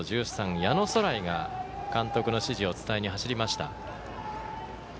矢野壮頼が監督の指示を伝えに走りました。